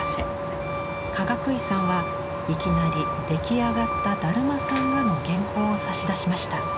かがくいさんはいきなり出来上がった「だるまさんが」の原稿を差し出しました。